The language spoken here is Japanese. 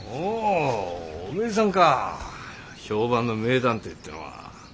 おおめえさんか評判の名探偵ってのは。